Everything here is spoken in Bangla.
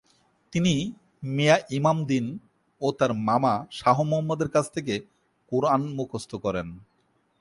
তিনি মিয়াঁ ইমাম দ্বীন ও তার মামা শাহ মুহাম্মদের কাছ থেকে কুরআন মুখস্থ করেন।